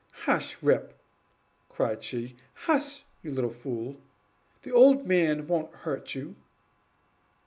"Hush, Rip," cried she, "hush, you little fool; the old man won't hurt you."